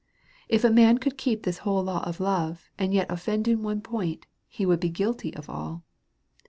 If a man could keep this whole law of love, and yet ©ffend in one point, he would be guilty of all.